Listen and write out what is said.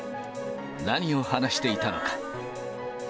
何を話していたのか。